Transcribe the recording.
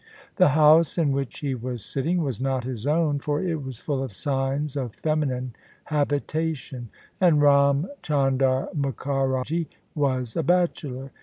The house in which he was sitting was not his own, for it was full of signs of feminine habitation : and Ram Chan dar Mukharji was a bachelor.